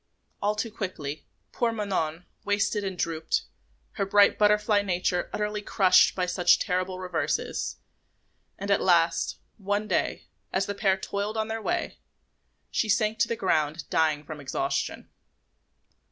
All too quickly, poor Manon wasted and drooped, her bright butterfly nature utterly crushed by such terrible reverses; and at last, one day, as the pair toiled on their way, she sank to the ground dying from exhaustion.